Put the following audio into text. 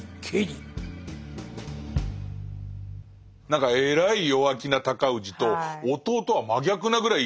何かえらい弱気な尊氏と弟は真逆なぐらい